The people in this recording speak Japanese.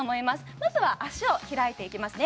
まずは脚を開いていきますね